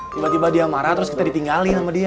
tiba tiba dia marah terus kita ditinggalin sama dia